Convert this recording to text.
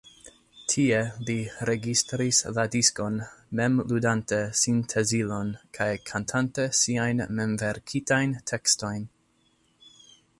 Tie li registris la diskon, mem ludante sintezilon kaj kantante siajn memverkitajn tekstojn.